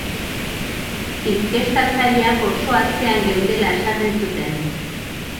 Inkestatzaileak oso atzean geundela esaten zuten.